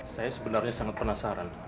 saya sebenarnya sangat penasaran